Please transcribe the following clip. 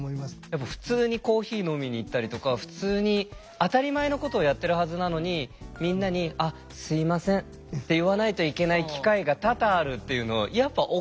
やっぱ普通にコーヒー飲みに行ったりとか普通に当たり前のことをやってるはずなのにみんなに「あっすいません」って言わないといけない機会が多々あるっていうのやっぱおかしいんだよね。